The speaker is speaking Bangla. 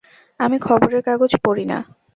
আমি খবরের কাগজ পড়ি না।